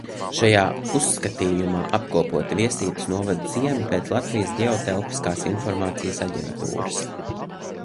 Šajā uzskatījumā apkopoti Viesītes novada ciemi pēc Latvijas Ģeotelpiskās informācijas aģentūras datubāzes.